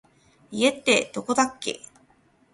家ってどこだっけ